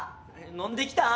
飲んできたん？